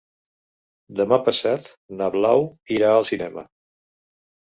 Demà passat na Blau irà al cinema.